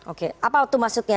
oke apa itu maksudnya